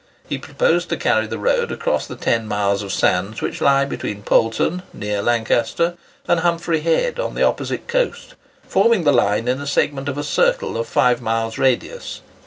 He proposed to carry the road across the ten miles of sands which lie between Poulton, near Lancaster, and Humphrey Head on the opposite coast, forming the line in a segment of a circle of five miles' radius.